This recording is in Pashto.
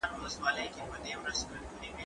زه بايد ليکنې وکړم